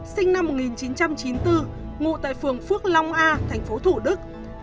sinh năm một nghìn chín trăm chín mươi bốn ngụ tại phường phước long a thành phố thủ đức